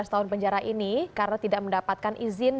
lima belas tahun penjara ini karena tidak mendapatkan izin